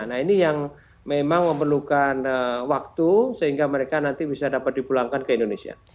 nah ini yang memang memerlukan waktu sehingga mereka nanti bisa dapat dipulangkan ke indonesia